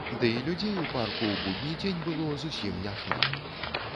Дый людзей у парку ў будні дзень было зусім не шмат.